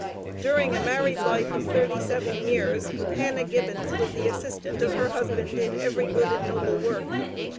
During a married life of thirty seven years, Hannah Gibbons was the assistant of her husband in every good and noble work.